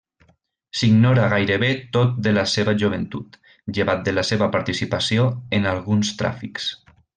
S'ignora gairebé tot de la seva joventut, llevat de la seva participació en alguns tràfics.